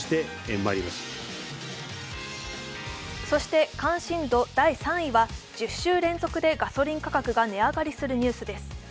そして関心度第３位は１０週連続でガソリン価格が値上がりするニュースです。